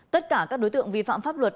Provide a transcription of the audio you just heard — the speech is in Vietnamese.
tất cả các đối tượng vi phạm pháp luật